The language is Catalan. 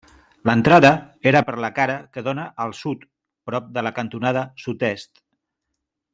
L'entrada era per la cara que dóna al sud, prop de la cantonada sud-est.